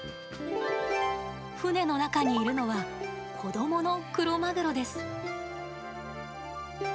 船の中にいるのは子どものクロマグロです。